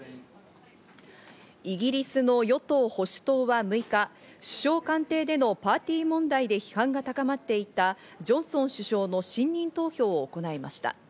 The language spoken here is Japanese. イギリスの与党・保守党は６日、首相官邸でのパーティー問題で批判が高まっていたジョンソン首相の信任投票を行いました。